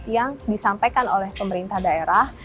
yang disampaikan oleh pemerintah daerah